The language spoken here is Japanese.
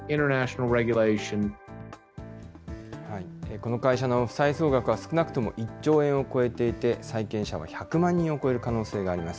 この会社の負債総額は、少なくとも１兆円を超えていて、債権者は１００万人を超える可能性があります。